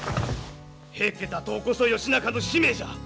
平家打倒こそ義仲の使命じゃ。